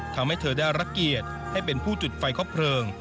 ทำให้เธอได้รับเกียรติให้เป็นผู้จุดไฟครบเพลิง